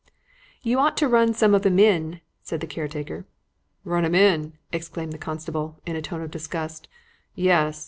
"You ought to run some of 'em in," said the caretaker. "Run 'em in!" exclaimed the constable in a tone of disgust; "yes!